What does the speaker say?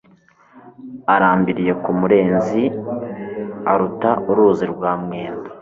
Arambiriye ku Murenzi, Aruta uruzi rwa Mwendo.